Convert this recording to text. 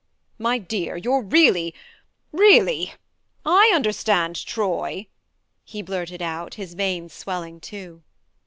"My dear, you're really really / understand Troy!" he blurted out, his veins swelling too.